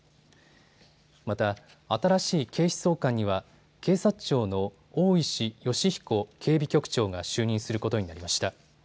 また、新しい警視総監には警察庁の大石吉彦警備局長が就任することになりました。